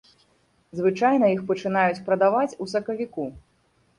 Звычайна іх пачынаюць прадаваць у сакавіку.